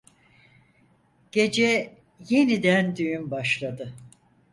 Gece yeniden düğün başladı.